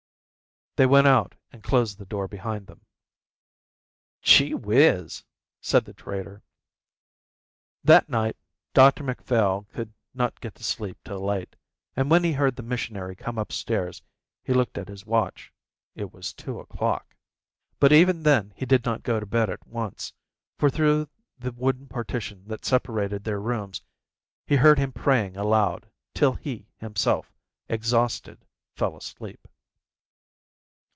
They went out and closed the door behind them. "Gee whizz," said the trader. That night Dr Macphail could not get to sleep till late, and when he heard the missionary come upstairs he looked at his watch. It was two o'clock. But even then he did not go to bed at once, for through the wooden partition that separated their rooms he heard him praying aloud, till he himself, exhausted, fell asleep.